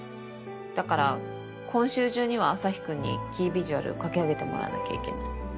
だから今週中にはアサヒくんにキービジュアルを描き上げてもらわなきゃいけない。